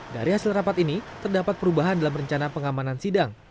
dari hasil rapat ini terdapat perubahan dalam rencana pengamanan sidang